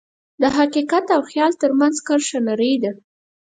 د حقیقت او خیال ترمنځ کرښه نری ده.